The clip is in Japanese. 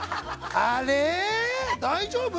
あれ大丈夫？